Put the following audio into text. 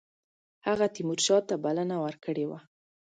هغه تیمورشاه ته بلنه ورکړې وه.